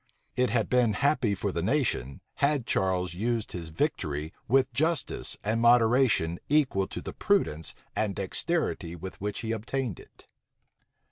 It had been happy for the nation, had Charles used his victory with justice and moderation equal to the prudence and dexterity with which he obtained it.